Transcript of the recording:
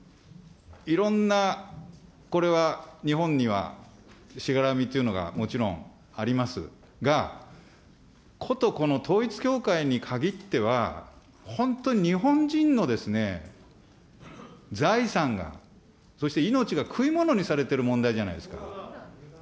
いろんな、これは日本にはしがらみというのがもちろんありますが、ことこの統一教会にかぎっては、本当に日本人のですね、財産が、そして命が食い物にされてる問題じゃないですか。